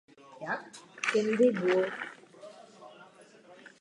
Dále zde žije malá arménská komunita.